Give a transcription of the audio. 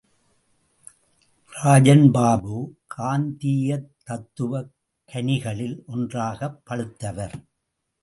இராஜன் பாபு, காந்தீயத் தத்துவக் கனிகளில் ஒன்றாகப் பழுத்தவர்.